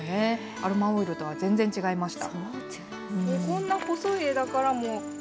アロマオイルとは全然違いました。